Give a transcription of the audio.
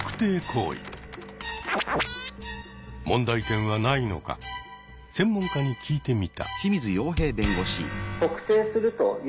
問題点はないのか専門家に聞いてみた。